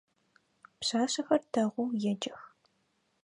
Пшъашъэхэр дэгъоу еджэх.